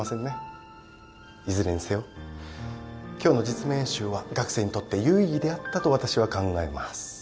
いずれにせよ今日の実務演習は学生にとって有意義であったと私は考えます。